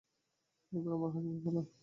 এইবার আমার হাসিবার পালা ছিল।